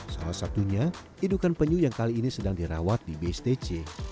salah satunya indukan penyu yang kali ini sedang dirawat di bstc